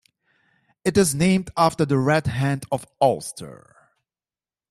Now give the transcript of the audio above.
It is named after the Red Hand of Ulster.